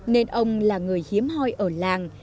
nên ông là người hiếm hoi ở làng